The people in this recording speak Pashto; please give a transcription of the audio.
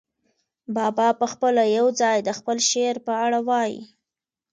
بابا پخپله یو ځای د خپل شعر په اړه وايي.